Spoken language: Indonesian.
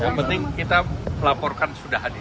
yang penting kita laporkan sudah hadir